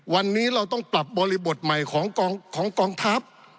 วันนี้เราต้องปรับบริบทใหม่ของกองทัพ